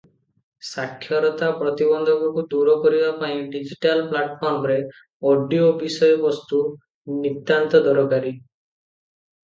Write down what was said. ସାକ୍ଷରତା ପ୍ରତିବନ୍ଧକକୁ ଦୂର କରିବା ପାଇଁ ଡିଜିଟାଲ ପ୍ଲାଟଫର୍ମରେ ଅଡିଓ ବିଷୟବସ୍ତୁ ନିତାନ୍ତ ଦରକାରୀ ।